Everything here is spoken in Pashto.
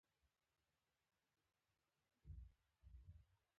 هغه ته پخپله یې .